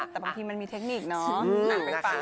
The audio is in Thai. แต่บางทีมันมีเทคนิคเนาะ